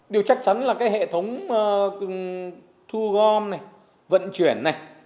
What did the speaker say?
điều chắc chắn là hệ thống thu gom vận chuyển